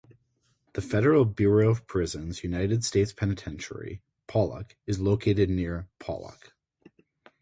The Federal Bureau of Prisons United States Penitentiary, Pollock is located near Pollock.